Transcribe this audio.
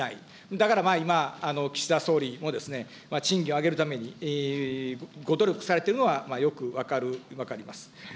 だからまあ、今、岸田総理もですね、賃金を上げるためにご努力されているのはよく分かります。